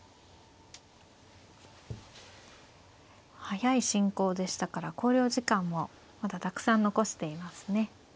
速い進行でしたから考慮時間もまだたくさん残していますね。